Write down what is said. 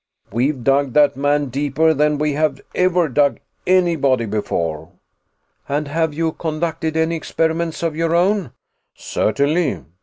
We've dug that man deeper than we have ever dug anybody before." "And have you conducted any experiments of your own?" "Certainly.